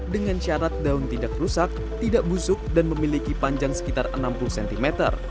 dengan syarat daun tidak rusak tidak busuk dan memiliki panjang sekitar enam puluh cm